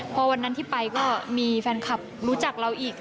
พอวันนั้นที่ไปก็มีแฟนคลับรู้จักเราอีก